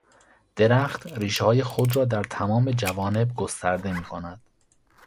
درخت ریشههای خود را در تمام جوانب گسترده میکند.